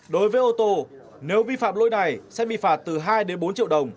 đối với ô tô nếu vi phạm lỗi này sẽ bị phạt từ hai bốn triệu đồng